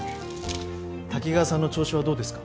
滝川さんの調子はどうですか？